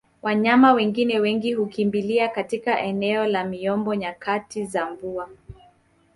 Wanyama wengine wengi hukimbilia katika eneo la miombo nyakati za mvua